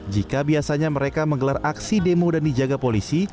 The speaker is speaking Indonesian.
jika biasanya mereka menggelar aksi demo dan dijaga polisi